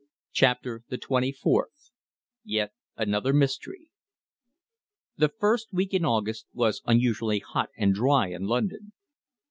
CHAPTER THE TWENTY FOURTH YET ANOTHER MYSTERY The first week in August was unusually hot and dry in London.